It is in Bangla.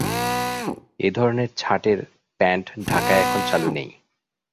এ ধরনের ছাঁটের প্যান্ট ঢাকায় এখন চালু নেই।